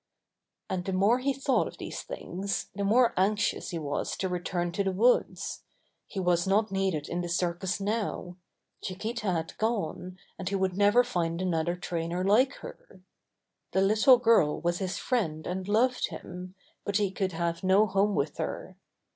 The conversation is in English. And the more he thought of these things, the more anxious he was to return to the 125 126 Buster the Bear woods. He was not needed in the circus now. Chiquita had gone, and he would never find another trainer like her. The little girl was his friend and loved him, but he could have no home with her.